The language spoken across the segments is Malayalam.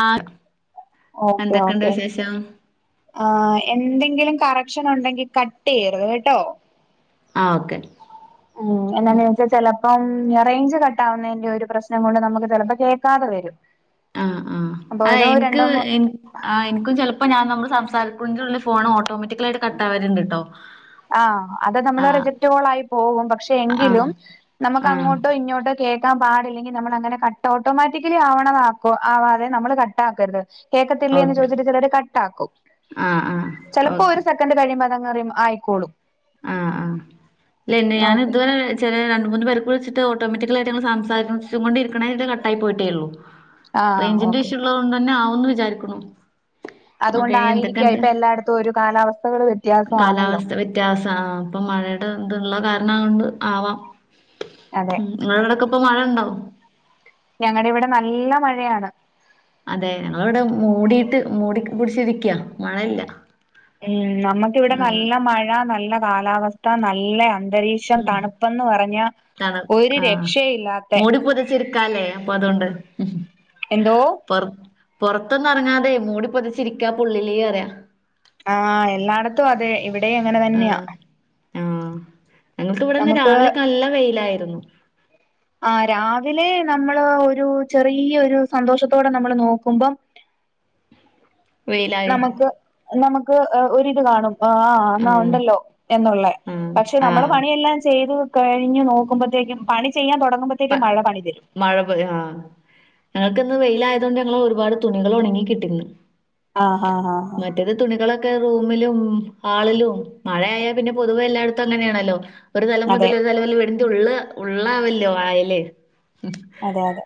ആഹ് ഓക്കെ എന്തൊക്കെണ്ട് ഓക്കെ വിശേഷം ആഹ് എന്തെങ്കിലും കറക്ഷൻ ഉണ്ടെങ്കിൽ കട്ടയ്യരുത് കേട്ടോ ആഹ് ഓക്കെ ഉം എന്നാ വെച്ചാ ചെലപ്പം റേഞ്ച് കട്ടാവുന്നതിന്റെ ഒരു പ്രശ്നം കൊണ്ട് നമുക്ക് ചിലപ്പോ കേക്കാതെ വരും [inaudible] ആഹ് ആഹ് അപ്പൊ അഹ് ഓരോ എൻക്ക് രണ്ടോ മൂ എ ആ എൻക്കും ചിലപ്പോ ഞാൻ നമ്മള് സംസാരിക്കുന്റുള്ളിൽ ഫോൺ ഓട്ടോമാറ്റിക്കലായിട്ട് കട്ടവാലുണ്ട്ട്ടോ ആഹ് അത് നമ്മള് റിജക്ടകോളായി പോകും പക്ഷെ ആഹ് എങ്കിലും നമുക്ക് ആഹ് അങ്ങോട്ടോ ഇങ്ങോട്ടോ കേ [unintelligible] പാടില്ലെങ്കി നമ്മൾ അങ്ങനെ കട്ട് ഓട്ടോമാറ്റക്കലി ആവണതാക്കോ ആവാതെ നമ്മള് കട്ടാക്കരുത് കേക്കത്തില്ലേ എന്ന് ഓക്കെ ചോദിച്ചിട്ട് ചിലര് കട്ടാക്കും ആഹ് ആഹ് ചെലപ്പോ ഓക്കെ ഒരു സെക്കൻഡ് കഴിയുമ്പോ അതങ്ങ് റിമ് ആയി കൊളും ആഹ് ആഹ് ല്ലന്ന് ഞാൻ ഓക്കെ ഇത് [unintelligible] രണ്ട് മൂന്ന് പേർക്ക് വിളിച്ചിട്ട് ഓട്ടോമാറ്റിക്കലായിട്ട് നങ്ങള് സംസാരിച്ചു കൊണ്ടരിക്കണേ [unintelligible] കട്ടായി പോയിട്ടേ ഉള്ളൂ ആഹ് റേയ്ഞ്ചിന്റെ ഓക്കെ ഇഷ്യൂള്ളത് കൊണ്ട് തന്നെ ആവുന്ന് വിചാരിക്കുന്നു അതുകൊണ്ടായിരിക്കാം ഇപ്പൊ എല്ലായിടത്തും ഒരു കാലാവസ്ഥകൾ വ്യത്യാസം ആണല്ലോ [unintelligible] ഇപ്പൊ മഴയുടെ ഇതുള്ള കാരണകൊണ്ട് ആവാം അതെ ഉം നിങ്ങളടക്കെ ഇപ്പോ മഴ ഉണ്ടോ ഞങ്ങടെവിടെ നല്ല മഴയാണ് അതെ ഞങ്ങൾവിടെ മൂടിട്ട് മൂടി പിടിച്ചിരിക്ക മഴയില്ല ഉം നമുക്കിവിടെ ഉം നല്ല മഴ നല്ല കാലാവസ്ഥ നല്ല അന്തരീക് ക്ഷ ഉം തണുപ്പന്ന് പറഞ്ഞ ഒരു രക്ഷയില്ലാത്തെ ച്ചിരിക്കാലെ അപ്പൊ അതൊണ്ട് എന്തൊ പൊർ പൊറത്തൊന്നും ഇറങ്ങാതെ മൂടി പൊതിച്ചിരിക്കാ പുള്ളില് പറയാ ആഹ് എല്ലായിടത്തും അതെ ഇവിടെയും അങ്ങനെ തന്നെയാ ആഹ് ആഹ് ഞങ്ങൾക്കിവിടെന്ന് നമുക്ക് രാവിലെ നല്ല വെയിലായിരുന്നു [unintelligible] ആ രാവിലെ നമ്മള് ഒരു ചെറിയോരു സന്തോഷത്തോടെ നമ്മൾ നോക്കുമ്പം വെയിലായി നമക്ക് നമക്ക് ആഹ് ഒരിത് കാണും ആഹ് ആ എന്നാ ആഹ് ഉണ്ടല്ലോ എന്നുള്ളെ ആഹ് പക്ഷെ നമ്മള് ആഹ് പണിയെല്ലാം ചെയ്ത് കഴിഞ്ഞു നോക്കുമ്പത്തേക്കും പണി ചെയ്യാൻ തൊടങ്ങുമ്പോ പ മഴ [unintelligible] ആഹ് ഞങ്ങക്കിന്ന് വെയിലായതുകൊണ്ട് ഞങ്ങളെ ഒരുപാട് തുണികൾ ഒണങ്ങി കിട്ടി ഇന്ന് ആഹ് ആഹ് ആഹ് ആഹ് മറ്റേത് തുണികളൊക്കെ റൂമിലും ഹാളിലും മഴയായ പിന്നെ പൊതുവെ എല്ലായിടത്തും അങ്ങനെയാണല്ലോ ഒരു തലം അതെ മുതല് [unintelligible] വീടിൻ്റെ ഉള്ള് ഉള്ളാവല്ലോ അയല് അതെ അതേ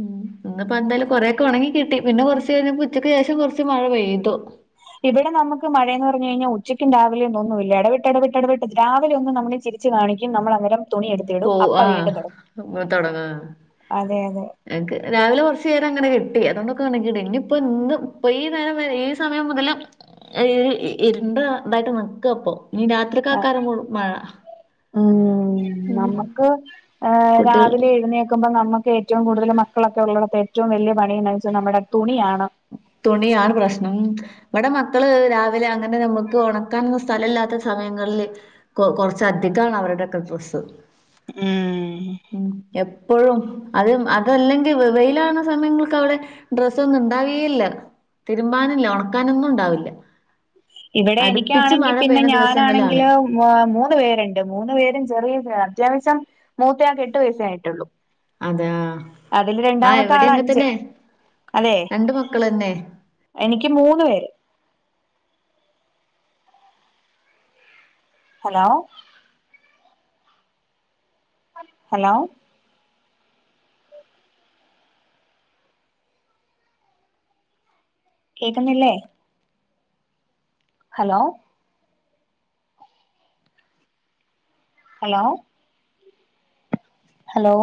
ഉം ഇന്നിപ്പോന്തായാലും കൊറെയൊക്കെ ഒണങ്ങി കിട്ടി പിന്നെ കൊറച്ച് കഴിഞ്ഞപ്പോ ഉച്ചക്ക് ശേഷം കൊറച്ച് മഴ പെയ്തു ഇവിടെ നമ്മക്ക് മഴയെന്ന് പറഞ്ഞു കഴിഞ്ഞാ ഉച്ചക്കും രാവിലെന്നും ഒന്നുല്ല എടവിട്ട് എടവിട്ട് എടവിട്ട് രാവിലെ ഒന്ന് നമ്മളിച്ചി ച്ച് കാണിക്കും നമ്മൾ അന്നേരം തുണി എടുത്തിടും പോ അപ്പ ആഹ് വീണ്ടും തൊടങ്ങും [unintelligible] തൊടങ്ങാ അതെ അതെ എൻക്ക് രാവിലെ കൊറച്ച് നേരം അങ്ങനെ കിട്ടി അതൊണ്ടൊക്കെ ഒണങ്ങി കിട്ടി ഇനിപ്പൊ ഇന്ന് ഇപ്പൊ ഈ നേരം വരെ ഈ സമയം മുതല് ഇരുണ്ട് ഇതായിട്ട് നിക്കാപ്പം ഇനി ആഹ് രാത്രിക്കാക്കാരം കൂടും മഴ ഉം നമ്മക്ക് ഏഹ് കുട്ടികൾ രാവിലെ എഴുന്നേ ക്കുമ്പം നമ്മക്ക് ഏറ്റവും കൂടുതല് മക്കളൊക്കെ ഉള്ളടത്ത് ഏറ്റവും വെല്യ പണി എന്നാന്ന് വെച്ചാ നമ്മടെ തുണിയാണ് തുണിയാണ് പ്രശ്നം ഉം ഇവിടെ മക്കള് രാവിലെ അങ്ങനെ നമ്മക്ക് ഒണക്കാനൊന്നും സ്ഥലം ഇല്ലാത്ത സമയങ്ങളില് കൊ കൊറച്ചധികാണ് അവരുടെക്കെ ഡ്രസ്സ് ഉം ഉം എപ്പഴും അത് അതല്ലെങ്കി വെ വെയിലാകണ സമയങ്ങൾക്കവിടെ ഡ്രസ്സ് ഒന്നും ഇണ്ടാവേയില്ലാ തിരുമ്പാനില്ല ഒണക്കാനൊന്നും ഇണ്ടാവില്ലാ ഇവിടെ എനിക്കാണെങ്കി പിന്നെ ദിവസങ്ങളിലാണ്. ഞാനാണെങ്കില് മ്വാ മൂന്ന് പേരുണ്ട് മൂന്ന് പേരും ചെറിയ അത്യാവശ്യം മൂത്തയാക്ക് എട്ട് വയസ്സേ ആയിട്ടുള്ളൂ അതാ അതില് ആഹ് രണ്ടാമത്തെ ഇവിടെ ആള് അങ്ങെൻ അഞ്ച്. തന്നെ അതെ രണ്ട് മക്കള് തന്നെ എനിക്ക് മൂന്ന് പേര് ഹലോ ഹലോ കേക്കുന്നില്ലേ hello hello hello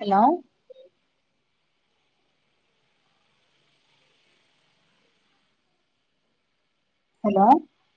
hello hello